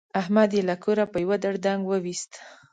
احمد يې له کوره په يوه دړدنګ ویوست.